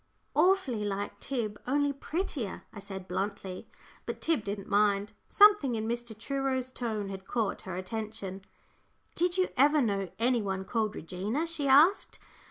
"Awfully like Tib, only prettier," I said, bluntly. But Tib didn't mind. Something in Mr. Truro's tone had caught her attention. "Did you ever know any one called Regina?" she asked.